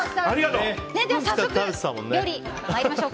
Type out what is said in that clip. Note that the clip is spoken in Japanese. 早速、料理に参りましょう。